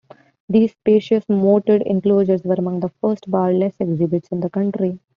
These spacious, moated enclosures were among the first bar-less exhibits in the country.